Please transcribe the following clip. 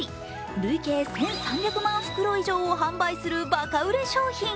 累計１３００万袋以上を販売するバカ売れ商品。